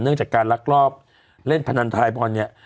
เนื่องจากการรักรอบเล่นพนันทายบอลเนี่ย